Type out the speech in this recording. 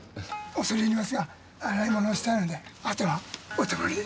恐れ入りますが洗い物をしたいのであとはお手盛りで。